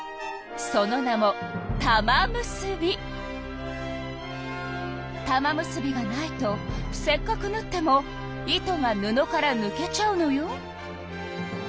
その名も玉結びがないとせっかくぬっても糸が布からぬけちゃうのよ。